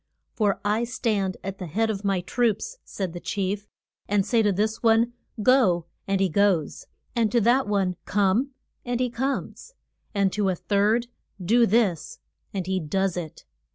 For I stand at the head of my troops, said the chief, and say to this one, Go, and he goes; and to that one, Come, and he comes; and to a third, Do this, and he does it.